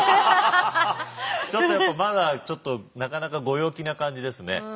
ちょっとやっぱまだなかなかご陽気な感じですね。